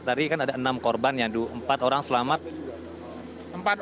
tadi kan ada enam korban ya empat orang selamat